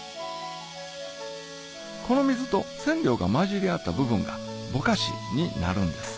この水と染料が混じり合った部分がボカシになるんです